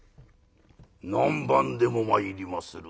「何番でも参りまする」。